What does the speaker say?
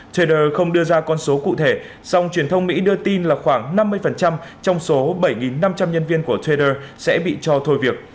traders không đưa ra con số cụ thể song truyền thông mỹ đưa tin là khoảng năm mươi trong số bảy năm trăm linh nhân viên của twitter sẽ bị cho thôi việc